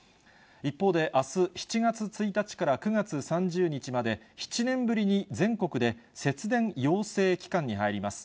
一方であす７月１日から９月３０日まで、７年ぶりに全国で節電要請期間に入ります。